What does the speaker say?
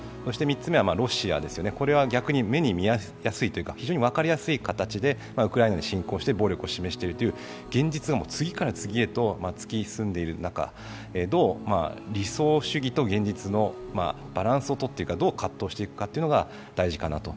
３つ目はロシアですよね、これは逆に目に見えやすいというか非常に分かりやすい形でウクライナに侵攻して暴力を示しているという現実が次から次へと突き進んでいる中、どう理想主義と現実のバランスをとるか、どう葛藤していくかというのが大事かなと。